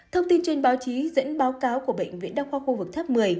thông tin trên báo chí dẫn báo cáo của bệnh viện đa khoa khu vực tháp một mươi